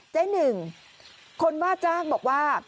หนึ่งคนว่าจ้างบอกว่า